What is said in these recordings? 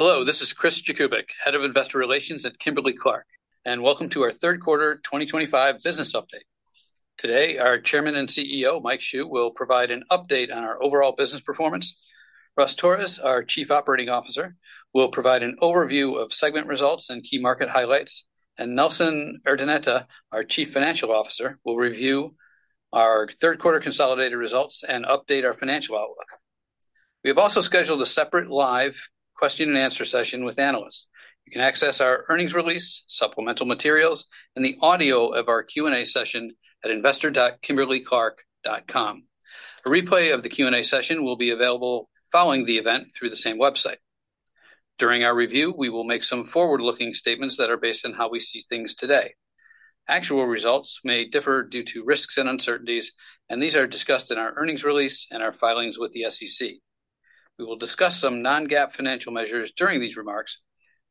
Hello, this is Chris Jakubik, Head of Investor Relations at Kimberly-Clark, and welcome to our third quarter 2025 business update. Today, our Chairman and CEO, Mike Hsu, will provide an update on our overall business performance. Russ Torres, our Chief Operating Officer, will provide an overview of segment results and key market highlights, and Nelson Urdaneta, our Chief Financial Officer, will review our third quarter consolidated results and update our financial outlook. We have also scheduled a separate live question-and-answer session with analysts. You can access our earnings release, supplemental materials, and the audio of our Q&A session at investor.kimberly-clark.com. A replay of the Q&A session will be available following the event through the same website. During our review, we will make some forward-looking statements that are based on how we see things today. Actual results may differ due to risks and uncertainties, and these are discussed in our earnings release and our filings with the SEC. We will discuss some non-GAAP financial measures during these remarks.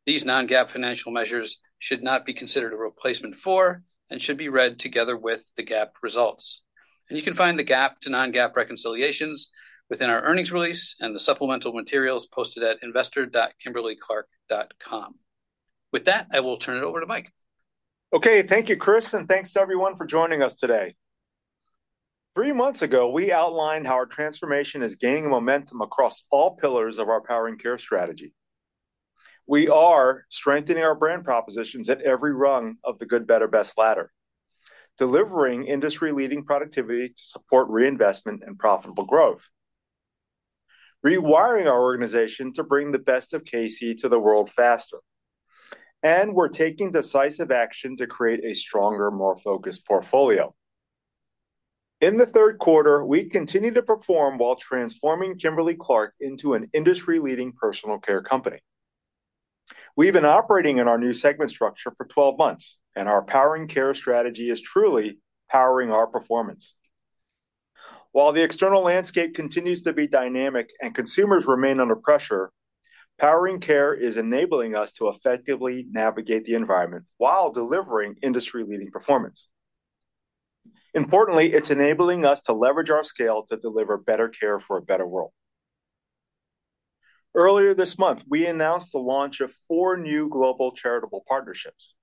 These non-GAAP financial measures should not be considered a replacement for and should be read together with the GAAP results, and you can find the GAAP to non-GAAP reconciliations within our earnings release and the supplemental materials posted at investor.kimberly-clark.com. With that, I will turn it over to Mike. Okay, thank you, Chris, and thanks to everyone for joining us today. Three months ago, we outlined how our transformation is gaining momentum across all pillars of our Power and Care strategy. We are strengthening our brand propositions at every rung of the good, better, best ladder, delivering industry-leading productivity to support reinvestment and profitable growth, rewiring our organization to bring the best of KC to the world faster, and we're taking decisive action to create a stronger, more focused portfolio. In the third quarter, we continue to perform while transforming Kimberly-Clark into an industry-leading personal care company. We've been operating in our new segment structure for 12 months, and our Power and Care strategy is truly powering our performance. While the external landscape continues to be dynamic and consumers remain under pressure, Power and Care is enabling us to effectively navigate the environment while delivering industry-leading performance. Importantly, it's enabling us to leverage our scale to deliver better care for a better world. Earlier this month, we announced the launch of four new global charitable partnerships.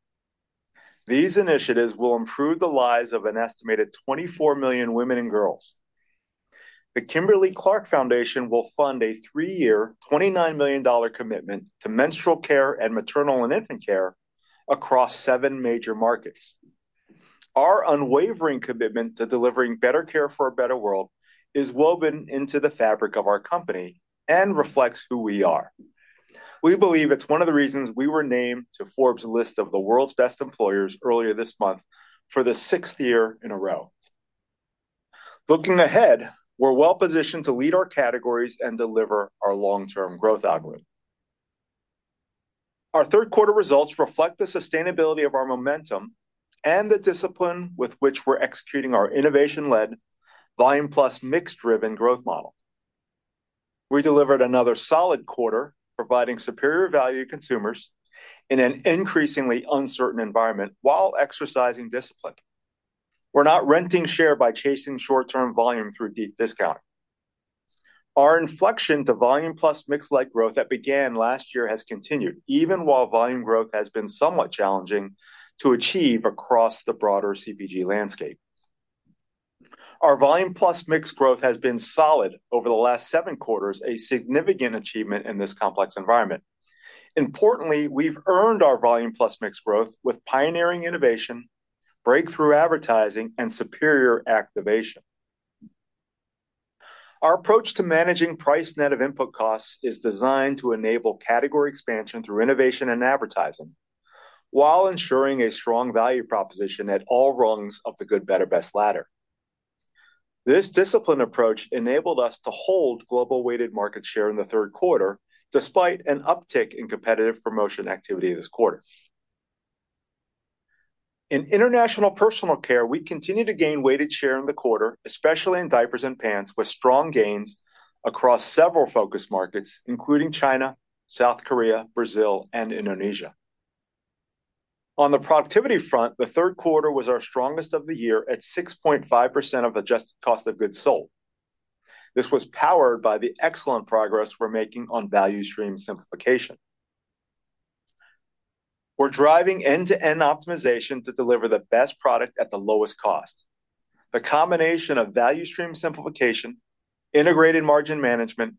These initiatives will improve the lives of an estimated 24 million women and girls. The Kimberly-Clark Foundation will fund a three-year, $29 million commitment to menstrual care and maternal and infant care across seven major markets. Our unwavering commitment to delivering better care for a better world is woven into the fabric of our company and reflects who we are. We believe it's one of the reasons we were named to Forbes' list of the world's best employers earlier this month for the sixth year in a row. Looking ahead, we're well positioned to lead our categories and deliver our long-term growth algorithm. Our third quarter results reflect the sustainability of our momentum and the discipline with which we're executing our innovation-led, volume-plus, mix-driven growth model. We delivered another solid quarter, providing superior value to consumers in an increasingly uncertain environment while exercising discipline. We're not renting share by chasing short-term volume through deep discounting. Our inflection to volume-plus, mix-like growth that began last year has continued, even while volume growth has been somewhat challenging to achieve across the broader CPG landscape. Our volume-plus, mix growth has been solid over the last seven quarters, a significant achievement in this complex environment. Importantly, we've earned our volume-plus, mix growth with pioneering innovation, breakthrough advertising, and superior activation. Our approach to managing price-net of input costs is designed to enable category expansion through innovation and advertising while ensuring a strong value proposition at all rungs of the good, better, best ladder. This disciplined approach enabled us to hold global weighted market share in the third quarter, despite an uptick in competitive promotion activity this quarter. In international personal care, we continue to gain weighted share in the quarter, especially in diapers and pants, with strong gains across several focus markets, including China, South Korea, Brazil, and Indonesia. On the productivity front, the third quarter was our strongest of the year at 6.5% of adjusted cost of goods sold. This was powered by the excellent progress we're making on value stream simplification. We're driving end-to-end optimization to deliver the best product at the lowest cost. The combination of value stream simplification, integrated margin management,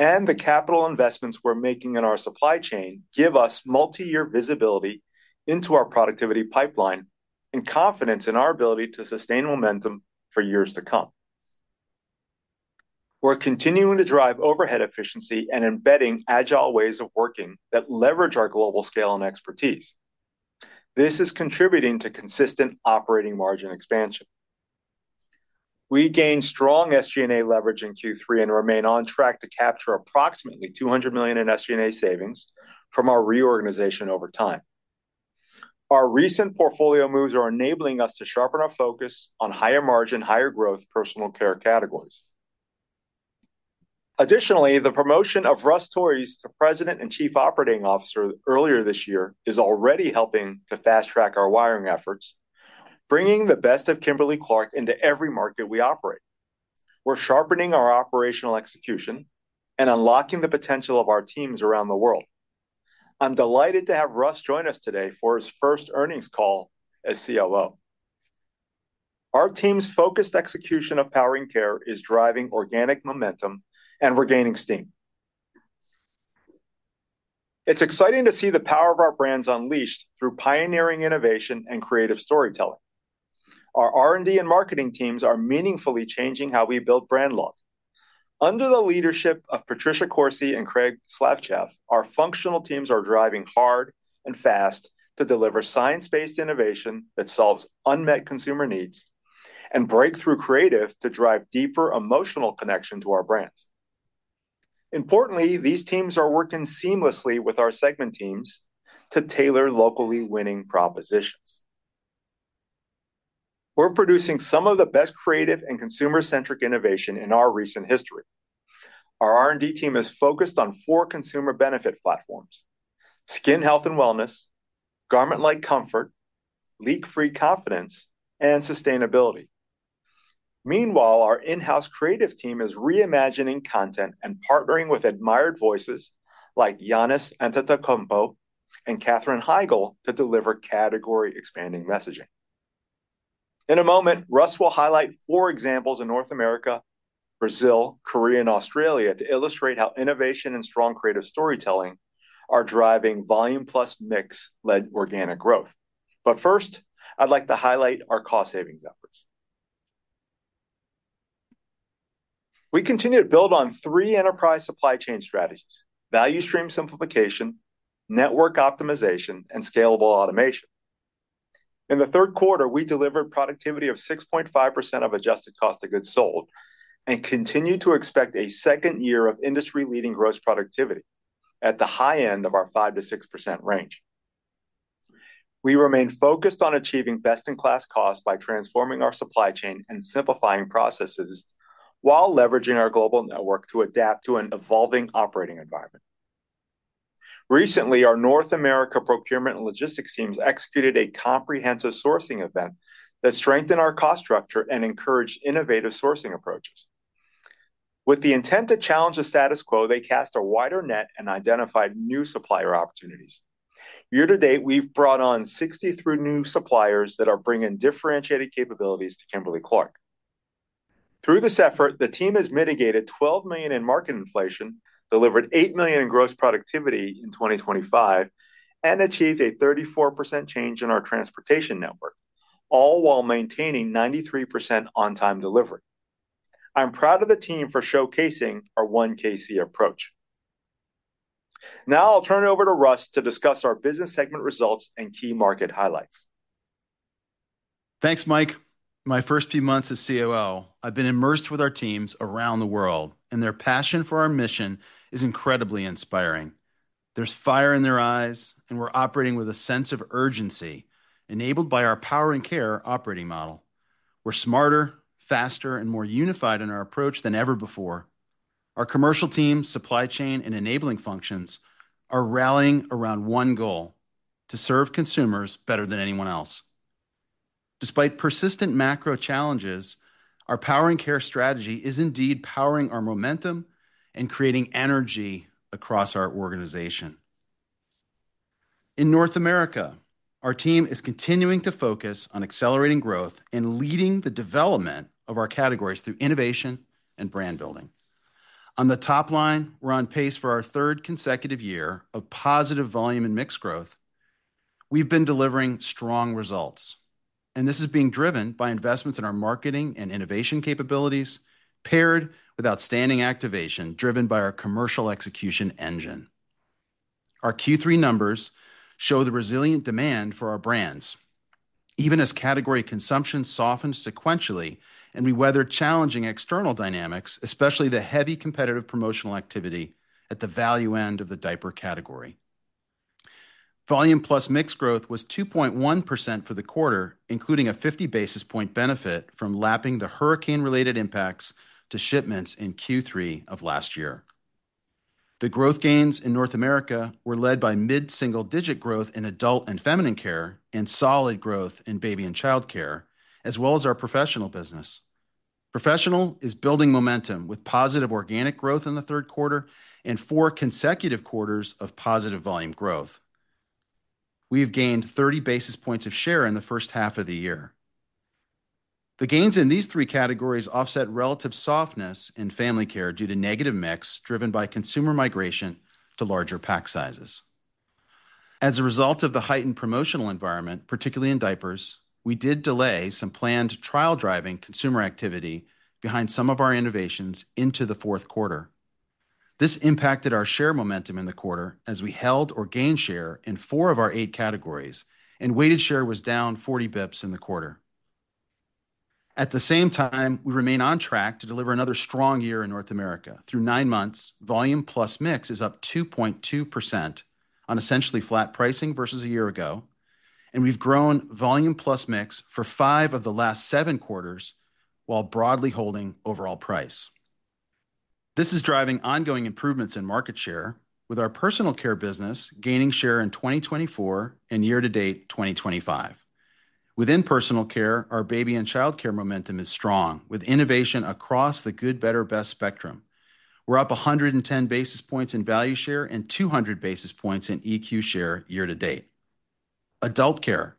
and the capital investments we're making in our supply chain give us multi-year visibility into our productivity pipeline and confidence in our ability to sustain momentum for years to come. We're continuing to drive overhead efficiency and embedding agile ways of working that leverage our global scale and expertise. This is contributing to consistent operating margin expansion. We gained strong SG&A leverage in Q3 and remain on track to capture approximately $200 million in SG&A savings from our reorganization over time. Our recent portfolio moves are enabling us to sharpen our focus on higher margin, higher growth personal care categories. Additionally, the promotion of Russ Torres to President and Chief Operating Officer earlier this year is already helping to fast-track our wiring efforts, bringing the best of Kimberly-Clark into every market we operate. We're sharpening our operational execution and unlocking the potential of our teams around the world. I'm delighted to have Russ join us today for his first earnings call as COO. Our team's focused execution of Power and Care is driving organic momentum, and we're gaining steam. It's exciting to see the power of our brands unleashed through pioneering innovation and creative storytelling. Our R&D and marketing teams are meaningfully changing how we build brand love. Under the leadership of Patricia Corsi and Craig Slavtcheff, our functional teams are driving hard and fast to deliver science-based innovation that solves unmet consumer needs and breakthrough creative to drive deeper emotional connection to our brands. Importantly, these teams are working seamlessly with our segment teams to tailor locally winning propositions. We're producing some of the best creative and consumer-centric innovation in our recent history. Our R&D team is focused on four consumer benefit platforms: skin health and wellness, garment-like comfort, leak-free confidence, and sustainability. Meanwhile, our in-house creative team is reimagining content and partnering with admired voices like Giannis Antetokounmpo and Katherine Heigl to deliver category-expanding messaging. In a moment, Russ will highlight four examples in North America, Brazil, Korea, and Australia to illustrate how innovation and strong creative storytelling are driving volume-plus, mix-led organic growth. But first, I'd like to highlight our cost-savings efforts. We continue to build on three enterprise supply chain strategies: value stream simplification, network optimization, and scalable automation. In the third quarter, we delivered productivity of 6.5% of adjusted cost of goods sold and continue to expect a second year of industry-leading gross productivity at the high end of our 5%-6% range. We remain focused on achieving best-in-class costs by transforming our supply chain and simplifying processes while leveraging our global network to adapt to an evolving operating environment. Recently, our North America procurement and logistics teams executed a comprehensive sourcing event that strengthened our cost structure and encouraged innovative sourcing approaches. With the intent to challenge the status quo, they cast a wider net and identified new supplier opportunities. Year-to-date, we've brought on 63 new suppliers that are bringing differentiated capabilities to Kimberly-Clark. Through this effort, the team has mitigated $12 million in market inflation, delivered $8 million in gross productivity in 2025, and achieved a 34% change in our transportation network, all while maintaining 93% on-time delivery. I'm proud of the team for showcasing our one KC approach. Now I'll turn it over to Russ to discuss our business segment results and key market highlights. Thanks, Mike. My first few months as COO, I've been immersed with our teams around the world, and their passion for our mission is incredibly inspiring. There's fire in their eyes, and we're operating with a sense of urgency enabled by our Power and Care operating model. We're smarter, faster, and more unified in our approach than ever before. Our commercial team, supply chain, and enabling functions are rallying around one goal: to serve consumers better than anyone else. Despite persistent macro challenges, our Power and Care strategy is indeed powering our momentum and creating energy across our organization. In North America, our team is continuing to focus on accelerating growth and leading the development of our categories through innovation and brand building. On the top line, we're on pace for our third consecutive year of positive volume and mix growth. We've been delivering strong results, and this is being driven by investments in our marketing and innovation capabilities paired with outstanding activation driven by our commercial execution engine. Our Q3 numbers show the resilient demand for our brands, even as category consumption softens sequentially and we weather challenging external dynamics, especially the heavy competitive promotional activity at the value end of the diaper category. Volume-plus mix growth was 2.1% for the quarter, including a 50 basis points benefit from lapping the hurricane-related impacts to shipments in Q3 of last year. The growth gains in North America were led by mid-single-digit growth in adult and feminine care and solid growth in baby and child care, as well as our professional business. Professional is building momentum with positive organic growth in the third quarter and four consecutive quarters of positive volume growth. We have gained 30 basis points of share in the first half of the year. The gains in these three categories offset relative softness in family care due to negative mix driven by consumer migration to larger pack sizes. As a result of the heightened promotional environment, particularly in diapers, we did delay some planned trial-driving consumer activity behind some of our innovations into the fourth quarter. This impacted our share momentum in the quarter as we held or gained share in four of our eight categories, and weighted share was down 40 basis points in the quarter. At the same time, we remain on track to deliver another strong year in North America. Through nine months, volume-plus mix is up 2.2% on essentially flat pricing versus a year ago, and we've grown volume-plus mix for five of the last seven quarters while broadly holding overall price. This is driving ongoing improvements in market share, with our personal care business gaining share in 2024 and year to date 2025. Within personal care, our baby and child care momentum is strong with innovation across the good, better, best spectrum. We're up 110 basis points in value share and 200 basis points in EQ share year to date. Adult care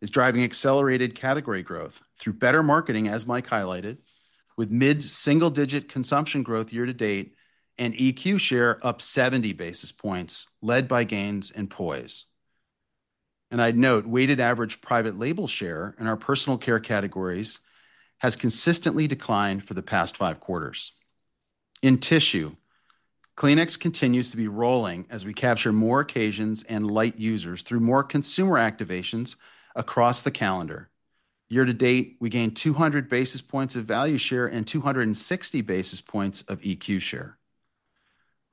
is driving accelerated category growth through better marketing, as Mike highlighted, with mid-single-digit consumption growth year to date and EQ share up 70 basis points led by gains in Poise, and I'd note weighted average private label share in our personal care categories has consistently declined for the past five quarters. In tissue, Kleenex continues to be rolling as we capture more occasions and light users through more consumer activations across the calendar. Year to date, we gained 200 basis points of value share and 260 basis points of EQ share.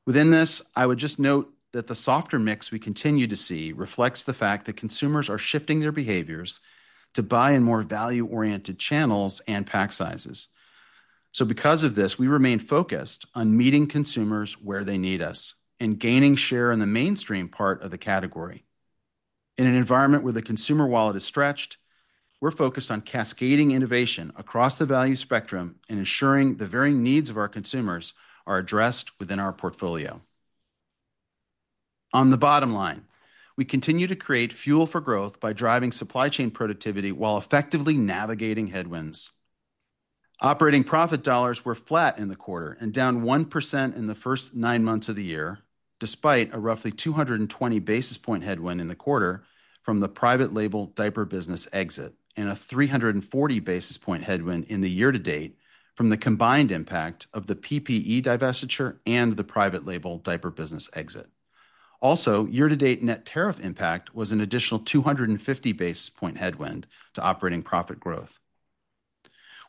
Within this, I would just note that the softer mix we continue to see reflects the fact that consumers are shifting their behaviors to buy in more value-oriented channels and pack sizes. So because of this, we remain focused on meeting consumers where they need us and gaining share in the mainstream part of the category. In an environment where the consumer wallet is stretched, we're focused on cascading innovation across the value spectrum and ensuring the very needs of our consumers are addressed within our portfolio. On the bottom line, we continue to create fuel for growth by driving supply chain productivity while effectively navigating headwinds. Operating profit dollars were flat in the quarter and down 1% in the first nine months of the year, despite a roughly 220 basis points headwind in the quarter from the private label diaper business exit and a 340 basis points headwind in the year to date from the combined impact of the PPE divestiture and the private label diaper business exit. Also, year to date net tariff impact was an additional 250 basis points headwind to operating profit growth.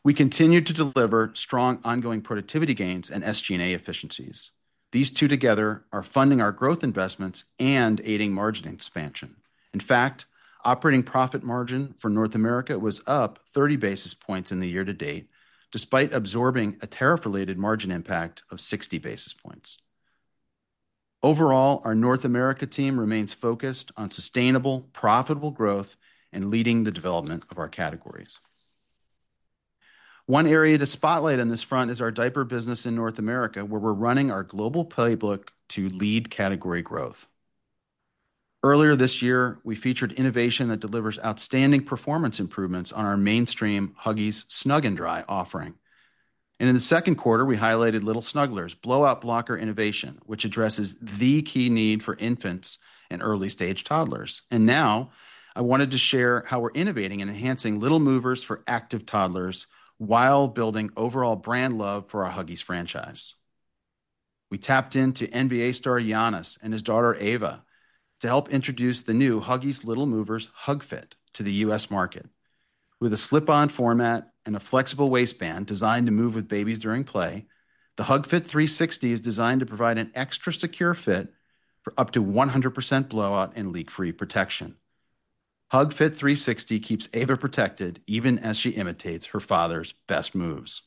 We continue to deliver strong ongoing productivity gains and SG&A efficiencies. These two together are funding our growth investments and aiding margin expansion. In fact, operating profit margin for North America was up 30 basis points in the year to date, despite absorbing a tariff-related margin impact of 60 basis points. Overall, our North America team remains focused on sustainable, profitable growth and leading the development of our categories. One area to spotlight on this front is our diaper business in North America, where we're running our global playbook to lead category growth. Earlier this year, we featured innovation that delivers outstanding performance improvements on our mainstream Huggies Snug & Dry offering, and in the second quarter, we highlighted Little Snugglers' blow-out blocker innovation, which addresses the key need for infants and early-stage toddlers, and now I wanted to share how we're innovating and enhancing Little Movers for active toddlers while building overall brand love for our Huggies franchise. We tapped into NBA star Giannis and his daughter Ava to help introduce the new Huggies Little Movers HuggFit to the U.S. market. With a slip-on format and a flexible waistband designed to move with babies during play, the HuggFit 360 is designed to provide an extra secure fit for up to 100% blow-out and leak-free protection. HuggFit 360 keeps Ava protected even as she imitates her father's best moves.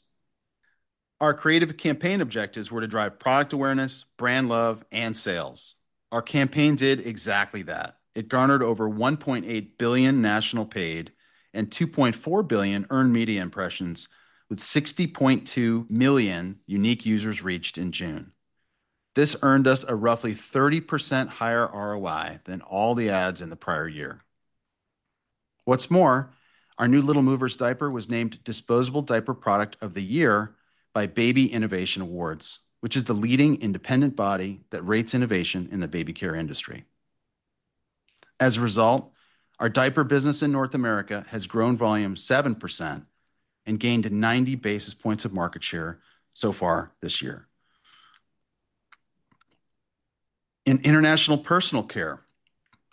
Our creative campaign objectives were to drive product awareness, brand love, and sales. Our campaign did exactly that. It garnered over 1.8 billion national paid and 2.4 billion earned media impressions, with 60.2 million unique users reached in June. This earned us a roughly 30% higher ROI than all the ads in the prior year. What's more, our new Little Movers diaper was named Disposable Diaper Product of the Year by Baby Innovation Awards, which is the leading independent body that rates innovation in the baby care industry. As a result, our diaper business in North America has grown volume 7% and gained 90 basis points of market share so far this year. In international personal care,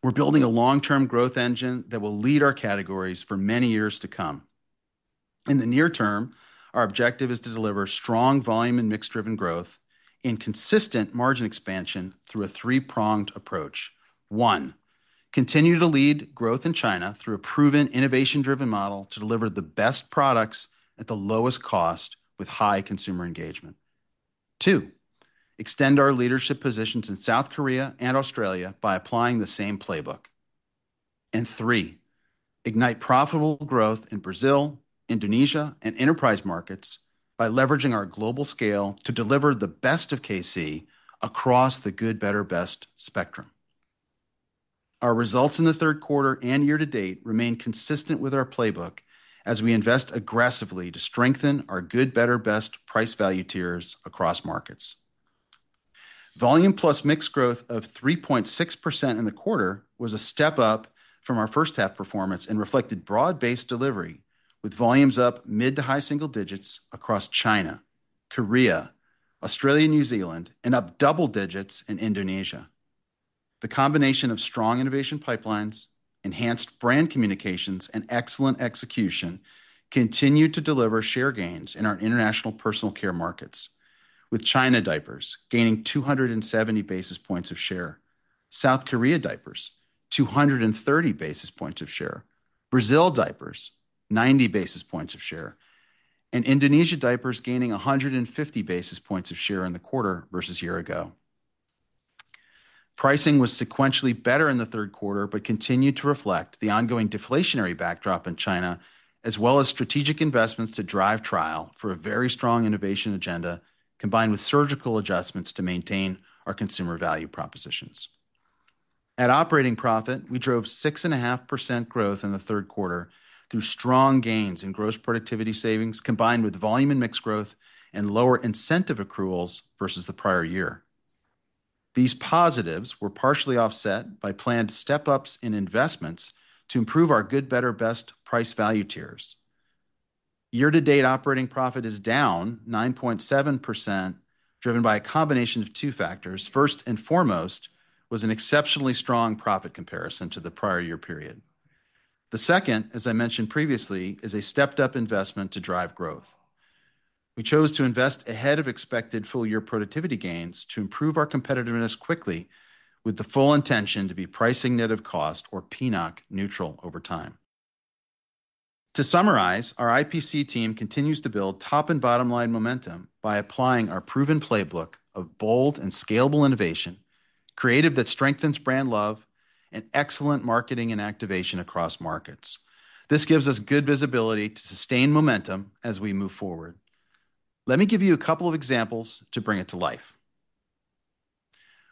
we're building a long-term growth engine that will lead our categories for many years to come. In the near term, our objective is to deliver strong volume and mix-driven growth and consistent margin expansion through a three-pronged approach. One, continue to lead growth in China through a proven innovation-driven model to deliver the best products at the lowest cost with high consumer engagement. Two, extend our leadership positions in South Korea and Australia by applying the same playbook. And three, ignite profitable growth in Brazil, Indonesia, and enterprise markets by leveraging our global scale to deliver the best of KC across the good, better, best spectrum. Our results in the third quarter and year to date remain consistent with our playbook as we invest aggressively to strengthen our good, better, best price value tiers across markets. Volume-plus mix growth of 3.6% in the quarter was a step up from our first-half performance and reflected broad-based delivery, with volumes up mid to high single digits across China, Korea, Australia, and New Zealand, and up double digits in Indonesia. The combination of strong innovation pipelines, enhanced brand communications, and excellent execution continued to deliver share gains in our international personal care markets, with China diapers gaining 270 basis points of share, South Korea diapers 230 basis points of share, Brazil diapers 90 basis points of share, and Indonesia diapers gaining 150 basis points of share in the quarter versus a year ago. Pricing was sequentially better in the third quarter, but continued to reflect the ongoing deflationary backdrop in China, as well as strategic investments to drive trial for a very strong innovation agenda combined with surgical adjustments to maintain our consumer value propositions. At operating profit, we drove 6.5% growth in the third quarter through strong gains in gross productivity savings combined with volume and mix growth and lower incentive accruals versus the prior year. These positives were partially offset by planned step-ups in investments to improve our good, better, best price value tiers. Year-to-date, operating profit is down 9.7%, driven by a combination of two factors. First and foremost was an exceptionally strong profit comparison to the prior year period. The second, as I mentioned previously, is a stepped-up investment to drive growth. We chose to invest ahead of expected full-year productivity gains to improve our competitiveness quickly, with the full intention to be pricing net of cost or PNOC neutral over time. To summarize, our IPC team continues to build top and bottom line momentum by applying our proven playbook of bold and scalable innovation, creative that strengthens brand love, and excellent marketing and activation across markets. This gives us good visibility to sustain momentum as we move forward. Let me give you a couple of examples to bring it to life.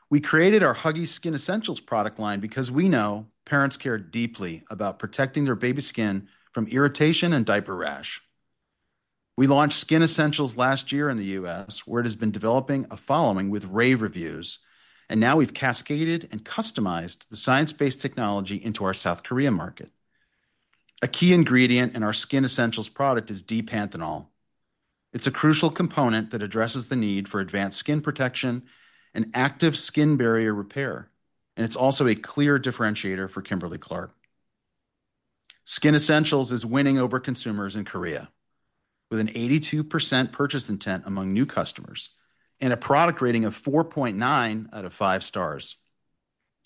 We created our Huggies Skin Essentials product line because we know parents care deeply about protecting their baby's skin from irritation and diaper rash. We launched Skin Essentials last year in the U.S., where it has been developing a following with rave reviews, and now we've cascaded and customized the science-based technology into our South Korea market. A key ingredient in our Skin Essentials product is D-Panthenol. It's a crucial component that addresses the need for advanced skin protection and active skin barrier repair, and it's also a clear differentiator for Kimberly-Clark. Skin Essentials is winning over consumers in Korea, with an 82% purchase intent among new customers and a product rating of 4.9 out of five stars.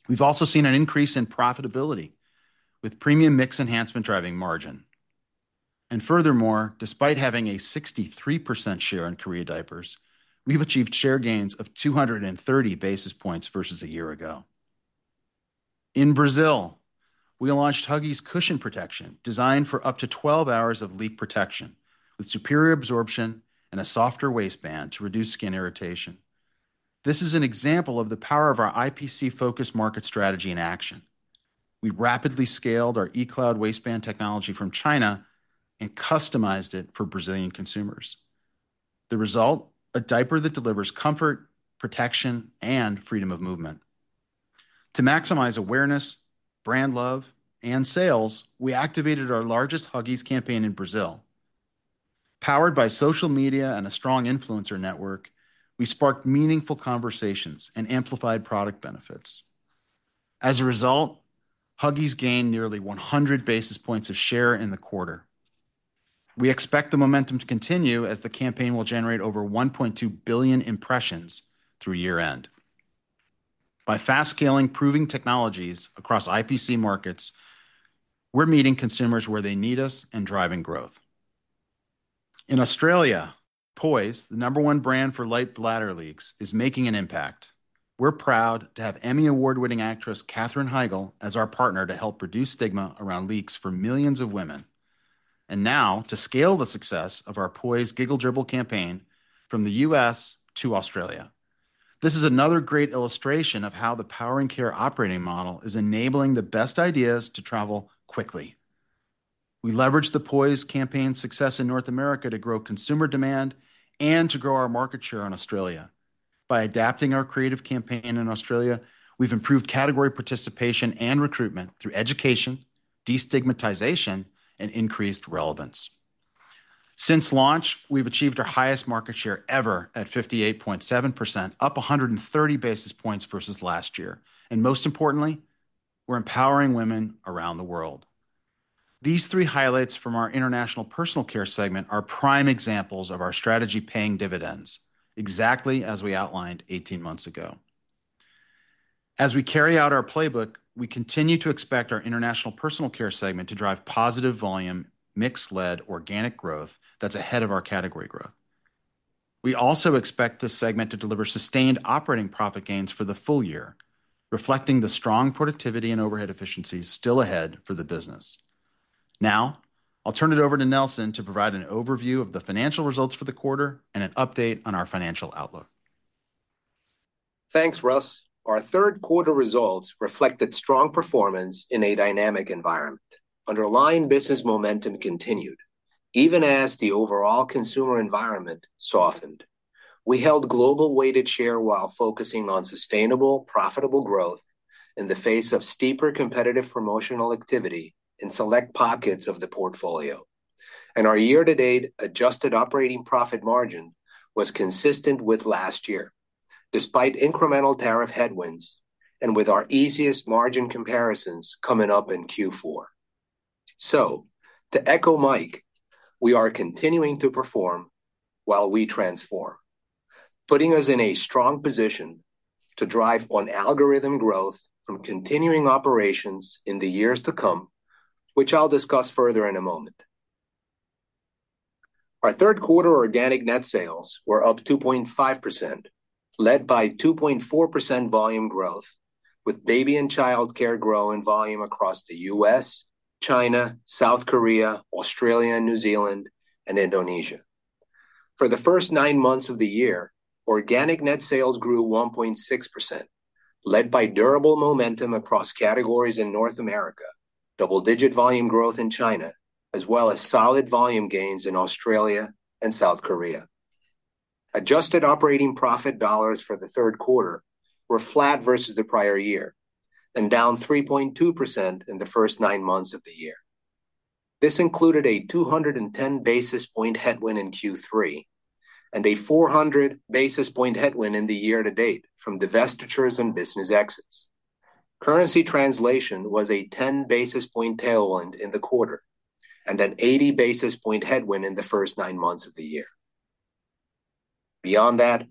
We've also seen an increase in profitability with premium mix enhancement driving margin. And furthermore, despite having a 63% share in Korea diapers, we've achieved share gains of 230 basis points versus a year ago. In Brazil, we launched Huggies Cushion Protection, designed for up to 12 hours of leak protection with superior absorption and a softer waistband to reduce skin irritation. This is an example of the power of our IPC-focused market strategy in action. We rapidly scaled our eCloud waistband technology from China and customized it for Brazilian consumers. The result? A diaper that delivers comfort, protection, and freedom of movement. To maximize awareness, brand love, and sales, we activated our largest Huggies campaign in Brazil. Powered by social media and a strong influencer network, we sparked meaningful conversations and amplified product benefits. As a result, Huggies gained nearly 100 basis points of share in the quarter. We expect the momentum to continue as the campaign will generate over 1.2 billion impressions through year-end. By fast-scaling proving technologies across IPC markets, we're meeting consumers where they need us and driving growth. In Australia, Poise, the number one brand for light bladder leaks, is making an impact. We're proud to have Emmy Award-winning actress Katherine Heigl as our partner to help reduce stigma around leaks for millions of women. And now to scale the success of our Poise Giggle Dribble campaign from the U.S. to Australia. This is another great illustration of how the Power and Care operating model is enabling the best ideas to travel quickly. We leveraged the Poise campaign's success in North America to grow consumer demand and to grow our market share in Australia. By adapting our creative campaign in Australia, we've improved category participation and recruitment through education, destigmatization, and increased relevance. Since launch, we've achieved our highest market share ever at 58.7%, up 130 basis points versus last year, and most importantly, we're empowering women around the world. These three highlights from our International Personal Care segment are prime examples of our strategy paying dividends, exactly as we outlined 18 months ago. As we carry out our playbook, we continue to expect our International Personal Care segment to drive positive volume, mix-led organic growth that's ahead of our category growth. We also expect this segment to deliver sustained operating profit gains for the full year, reflecting the strong productivity and overhead efficiencies still ahead for the business. Now, I'll turn it over to Nelson to provide an overview of the financial results for the quarter and an update on our financial outlook. Thanks, Russ. Our third quarter results reflected strong performance in a dynamic environment. Underlying business momentum continued, even as the overall consumer environment softened. We held global weighted share while focusing on sustainable, profitable growth in the face of steeper competitive promotional activity in select pockets of the portfolio, and our year-to-date adjusted operating profit margin was consistent with last year, despite incremental tariff headwinds and with our easiest margin comparisons coming up in Q4. So, to echo Mike, we are continuing to perform while we transform, putting us in a strong position to drive ongoing growth from continuing operations in the years to come, which I'll discuss further in a moment. Our third quarter organic net sales were up 2.5%, led by 2.4% volume growth, with baby and child care growing in volume across the U.S., China, South Korea, Australia, New Zealand, and Indonesia. For the first nine months of the year, organic net sales grew 1.6%, led by durable momentum across categories in North America, double-digit volume growth in China, as well as solid volume gains in Australia and South Korea. Adjusted operating profit dollars for the third quarter were flat versus the prior year and down 3.2% in the first nine months of the year. This included a 210 basis point headwind in Q3 and a 400 basis point headwind in the year to date from divestitures and business exits. Currency translation was a 10 basis point tailwind in the quarter and an 80 basis point headwind in the first nine months of the year. Beyond that,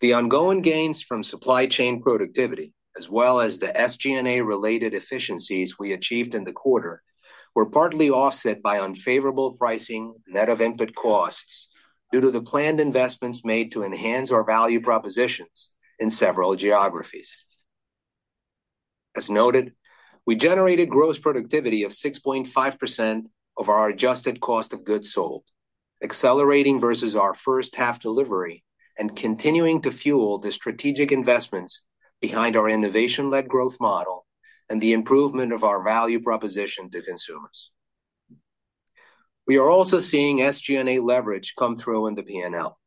the ongoing gains from supply chain productivity, as well as the SG&A-related efficiencies we achieved in the quarter, were partly offset by unfavorable pricing net of input costs due to the planned investments made to enhance our value propositions in several geographies. As noted, we generated gross productivity of 6.5% of our adjusted cost of goods sold, accelerating versus our first-half delivery and continuing to fuel the strategic investments behind our innovation-led growth model and the improvement of our value proposition to consumers. We are also seeing SG&A leverage come through in the P&L,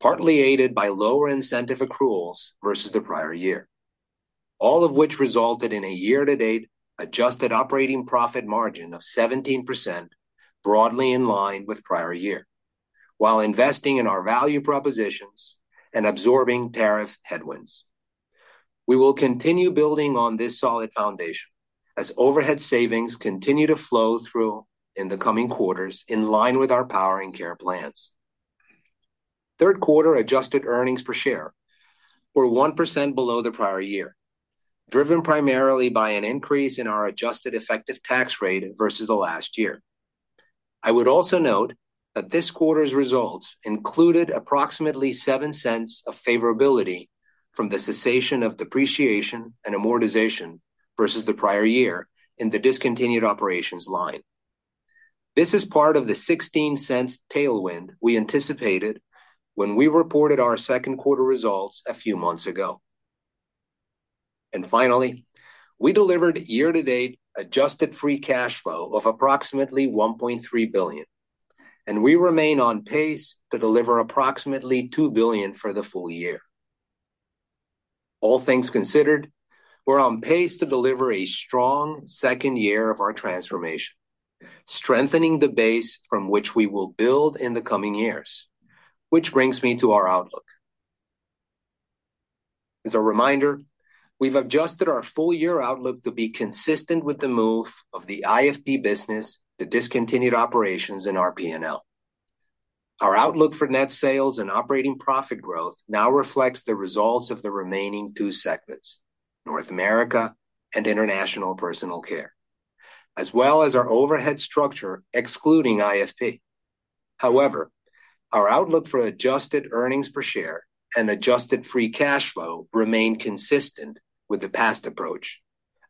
partly aided by lower incentive accruals versus the prior year, all of which resulted in a year-to-date adjusted operating profit margin of 17%, broadly in line with prior year, while investing in our value propositions and absorbing tariff headwinds. We will continue building on this solid foundation as overhead savings continue to flow through in the coming quarters in line with our Power and Care plans. Third quarter adjusted earnings per share were 1% below the prior year, driven primarily by an increase in our adjusted effective tax rate versus the last year. I would also note that this quarter's results included approximately $0.07 of favorability from the cessation of depreciation and amortization versus the prior year in the discontinued operations line. This is part of the $0.16 tailwind we anticipated when we reported our second quarter results a few months ago. Finally, we delivered year-to-date adjusted free cash flow of approximately $1.3 billion, and we remain on pace to deliver approximately $2 billion for the full year. All things considered, we're on pace to deliver a strong second year of our transformation, strengthening the base from which we will build in the coming years, which brings me to our outlook. As a reminder, we've adjusted our full-year outlook to be consistent with the move of the IFP business to discontinued operations in our P&L. Our outlook for net sales and operating profit growth now reflects the results of the remaining two segments, North America and International Personal Care, as well as our overhead structure excluding IFP. However, our outlook for adjusted earnings per share and adjusted free cash flow remained consistent with the past approach,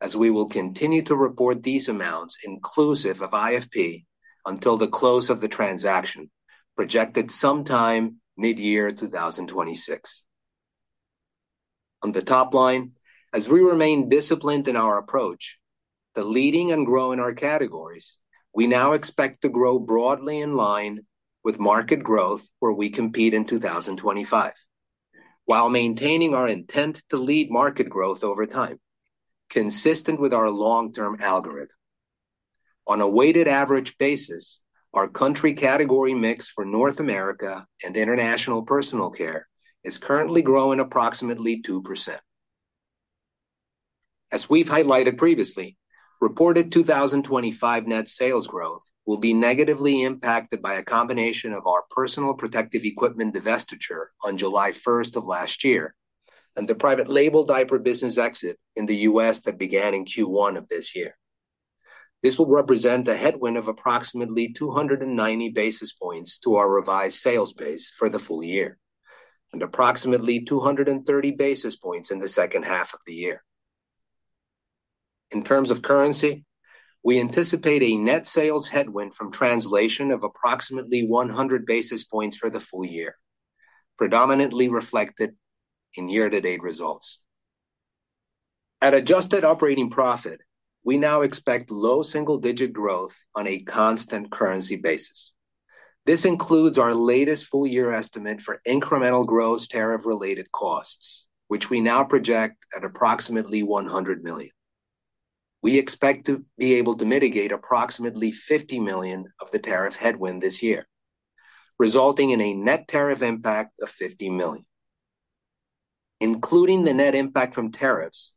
as we will continue to report these amounts inclusive of IFP until the close of the transaction projected sometime mid-year 2026. On the top line, as we remain disciplined in our approach to lead and grow in our categories, we now expect to grow broadly in line with market growth where we compete in 2025, while maintaining our intent to lead market growth over time, consistent with our long-term algorithm. On a weighted average basis, our country category mix for North America and International Personal Care is currently growing approximately 2%. As we've highlighted previously, reported 2025 net sales growth will be negatively impacted by a combination of our personal protective equipment divestiture on July 1st of last year and the private label diaper business exit in the U.S. That began in Q1 of this year. This will represent a headwind of approximately 290 basis points to our revised sales base for the full year and approximately 230 basis points in the second half of the year. In terms of currency, we anticipate a net sales headwind from translation of approximately 100 basis points for the full year, predominantly reflected in year-to-date results. At adjusted operating profit, we now expect low single-digit growth on a constant currency basis. This includes our latest full-year estimate for incremental gross tariff-related costs, which we now project at approximately $100 million. We expect to be able to mitigate approximately $50 million of the tariff headwind this year, resulting in a net tariff impact of $50 million. Including the net impact from tariffs,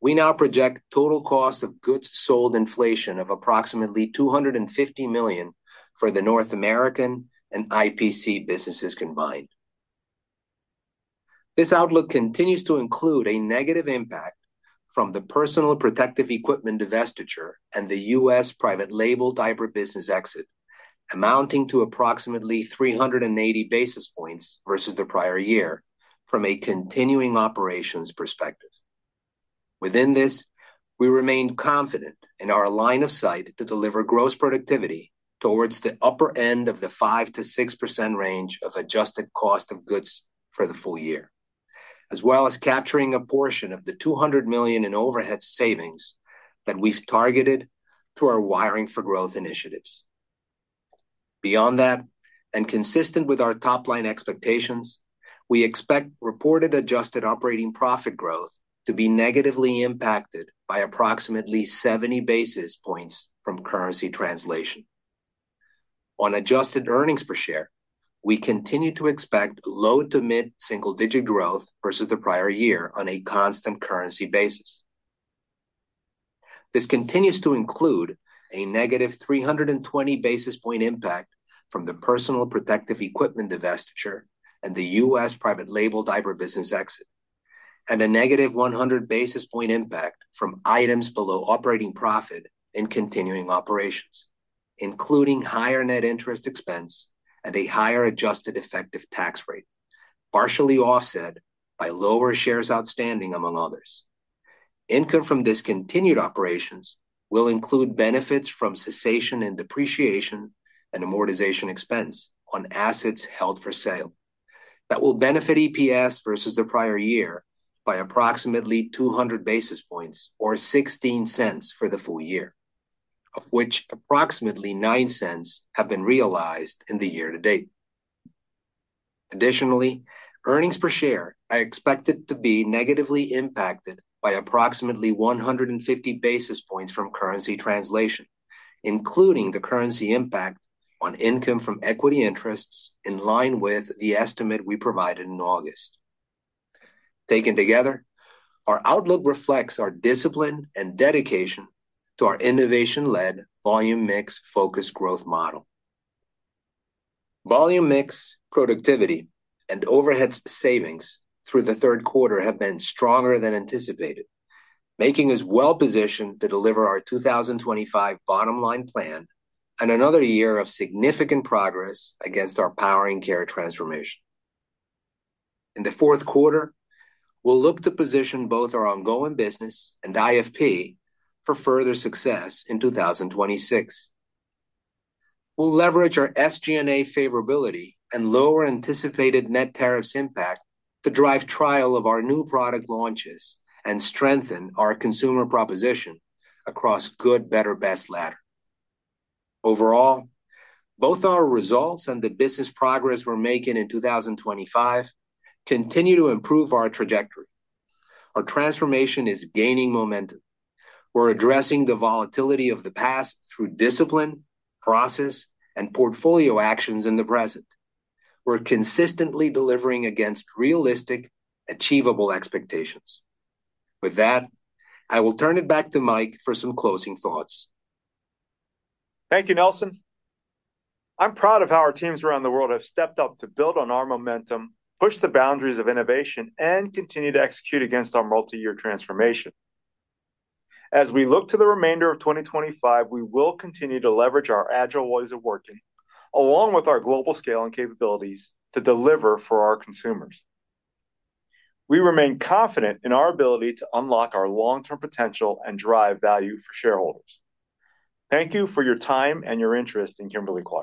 we now project total cost of goods sold inflation of approximately $250 million for the North American and IPC businesses combined. This outlook continues to include a negative impact from the personal protective equipment divestiture and the U.S. private label diaper business exit, amounting to approximately 380 basis points versus the prior year from a continuing operations perspective. Within this, we remain confident in our line of sight to deliver gross productivity towards the upper end of the 5%-6% range of adjusted cost of goods for the full year, as well as capturing a portion of the $200 million in overhead savings that we've targeted through our wiring for growth initiatives. Beyond that, and consistent with our top-line expectations, we expect reported adjusted operating profit growth to be negatively impacted by approximately 70 basis points from currency translation. On adjusted earnings per share, we continue to expect low to mid single-digit growth versus the prior year on a constant currency basis. This continues to include a negative 320 basis point impact from the personal protective equipment divestiture and the U.S. private label diaper business exit, and a negative 100 basis point impact from items below operating profit in continuing operations, including higher net interest expense and a higher adjusted effective tax rate, partially offset by lower shares outstanding, among others. Income from discontinued operations will include benefits from cessation and depreciation and amortization expense on assets held for sale that will benefit EPS versus the prior year by approximately 200 basis points or $0.16 for the full year, of which approximately $0.09 have been realized in the year to date. Additionally, earnings per share are expected to be negatively impacted by approximately 150 basis points from currency translation, including the currency impact on income from equity interests in line with the estimate we provided in August. Taken together, our outlook reflects our discipline and dedication to our innovation-led volume mix focused growth model. Volume mix productivity and overhead savings through the third quarter have been stronger than anticipated, making us well-positioned to deliver our 2025 bottom-line plan and another year of significant progress against our Power and Care transformation. In the fourth quarter, we'll look to position both our ongoing business and IFP for further success in 2026. We'll leverage our SG&A favorability and lower anticipated net tariffs impact to drive trial of our new product launches and strengthen our consumer proposition across good, better, best ladder. Overall, both our results and the business progress we're making in 2025 continue to improve our trajectory. Our transformation is gaining momentum. We're addressing the volatility of the past through discipline, process, and portfolio actions in the present. We're consistently delivering against realistic, achievable expectations. With that, I will turn it back to Mike for some closing thoughts. Thank you, Nelson. I'm proud of how our teams around the world have stepped up to build on our momentum, push the boundaries of innovation, and continue to execute against our multi-year transformation. As we look to the remainder of 2025, we will continue to leverage our agile ways of working along with our global scale and capabilities to deliver for our consumers. We remain confident in our ability to unlock our long-term potential and drive value for shareholders. Thank you for your time and your interest in Kimberly-Clark.